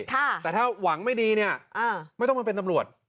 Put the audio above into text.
แต่ถ้าหวังไม่ดีเนี่ยไม่ต้องมาเป็นตำรวจ